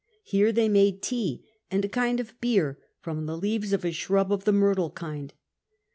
Here they made tea — ^and a kind of beer — ^from the leaves of a shrub of the myrtle kind.